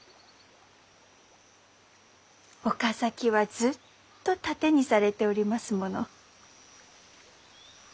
岡崎はずっと盾にされておりますもの。